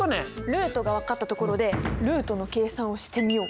ルートが分かったところでルートの計算をしてみよう！